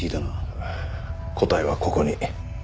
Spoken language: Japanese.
答えはここに。